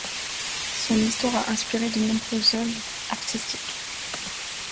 Son histoire a inspiré de nombreuses œuvres artistiques.